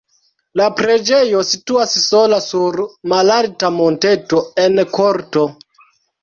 La preĝejo situas sola sur malalta monteto en korto.